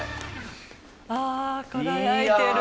あ輝いてる。